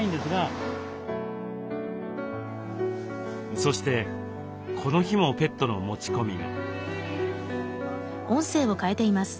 そしてこの日もペットの持ち込みが。